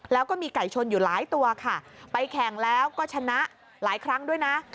แล้วก็มีไก่ชนอยู่หลายตัวค่ะไปแข่งแล้วก็ชนะหลายครั้งด้วยนะ